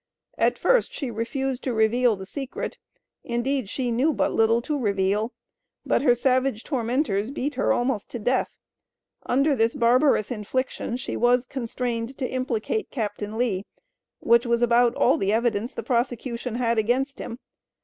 At first she refused to reveal the secret; indeed she knew but little to reveal; but her savage tormentors beat her almost to death. Under this barbarous infliction she was constrained to implicate Captain Lee, which was about all the evidence the prosecution had against him.